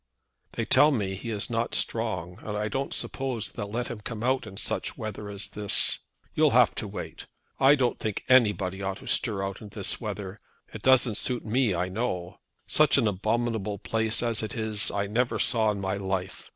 "They tell me he is not strong, and I don't suppose they'll let him come out such weather as this. You'll have to wait. I don't think any body ought to stir out in this weather. It doesn't suit me, I know. Such an abominable place as it is I never saw in my life.